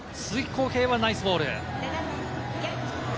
鈴木康平はナイスボール。